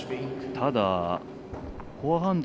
ただ、フォアハンド